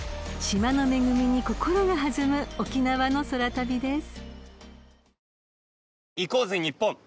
［島の恵みに心が弾む沖縄の空旅です］